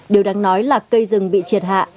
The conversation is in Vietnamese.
điều đáng nói là cây rừng bị triệt hạ